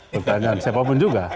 pertanyaan siapapun juga